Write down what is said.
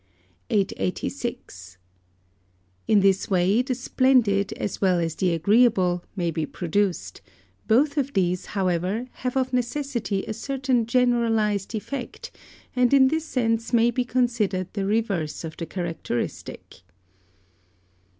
886. In this way the splendid as well as the agreeable may be produced; both of these, however, have of necessity a certain generalised effect, and in this sense may be considered the reverse of the characteristic.